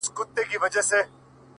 • زلمي خپه دي څنګونه مړاوي ,